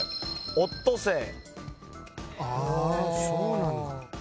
そうなんだ。